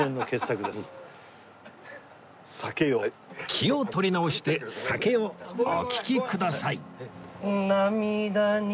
気を取り直して『酒よ』お聴きください